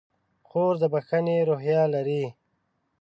خور د بښنې روحیه لري.